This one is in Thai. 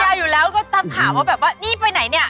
ภรรยายอยู่แล้วก็ถามแบบว่านี่ไปไหนนี่